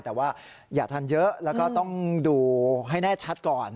แต่ว่าอย่าทานเยอะแล้วก็ต้องดูให้แน่ชัดก่อน